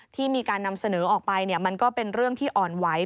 ที่มีการนำเสนอออกไปมันก็เป็นเรื่องที่อ่อนไหว